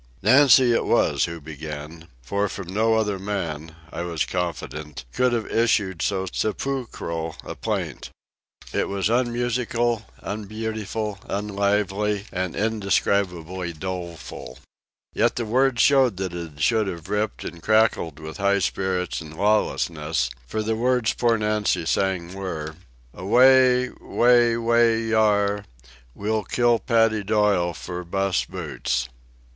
Nancy it was who began, for from no other man, I was confident, could have issued so sepulchral a plaint. It was unmusical, unbeautiful, unlively, and indescribably doleful. Yet the words showed that it should have ripped and crackled with high spirits and lawlessness, for the words poor Nancy sang were: "Away, way, way, yar, We'll kill Paddy Doyle for bus boots."